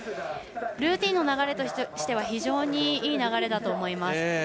ルーティンの流れとしては非常にいい流れだと思います。